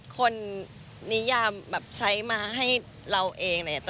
คนนิยามแบบใช้มาให้เราเองอะไรอย่างนี้